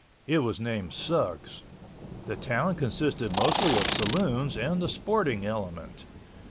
It was named Sugs. The town consisted mostly of saloons and the sporting element.